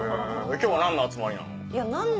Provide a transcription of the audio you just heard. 今日は何の集まりなの？